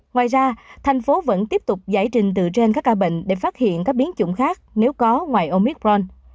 ngoài ra thành phố vẫn tiếp tục giải trình từ trên các ca bệnh để phát hiện các biến chủng khác nếu có ngoài oicron